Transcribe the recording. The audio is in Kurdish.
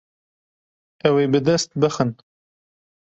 Ew ê bi dest bixin.